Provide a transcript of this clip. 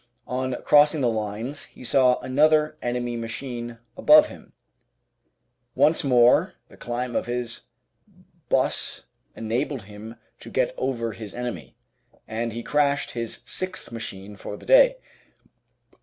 On crossing the lines he saw another enemy machine above him. Once more the climb of his 'bus enabled him to get over his enemy, and he crashed his sixth machine for the day.